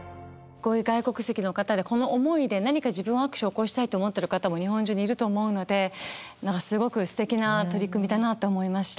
こういう外国籍の方でこの思いで何か自分もアクション起こしたいと思ってる方も日本中にいると思うのですごくすてきな取り組みだなと思いました。